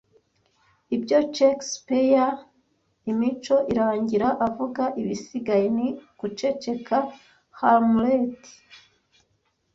Ibyo Shakespeare imico irangira avuga Ibisigaye ni Guceceka Hamlet